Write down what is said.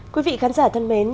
quý vị khán giả thân mến